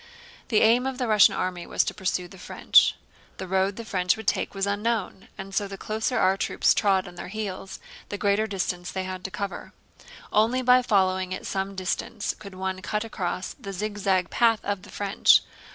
The aim of the Russian army was to pursue the French. The road the French would take was unknown, and so the closer our troops trod on their heels the greater distance they had to cover. Only by following at some distance could one cut across the zigzag path of the French.